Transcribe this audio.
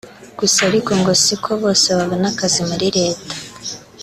gusa ariko ngo si ko bose babona akazi muri Leta